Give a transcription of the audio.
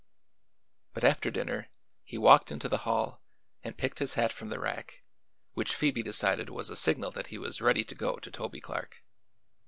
But after dinner he walked into the hall and picked his hat from the rack, which Phoebe decided was a signal that he was ready to go to Toby Clark.